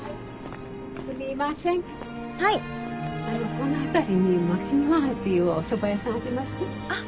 この辺りにマキノ庵っていうおそば屋さんあります？あっ。